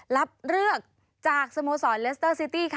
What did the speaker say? รับเลือกจากสมสอร์ทเลสเตอร์ซิตี้